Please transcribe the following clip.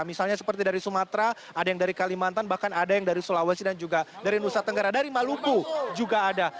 misalnya seperti dari sumatera ada yang dari kalimantan bahkan ada yang dari sulawesi dan juga dari nusa tenggara dari maluku juga ada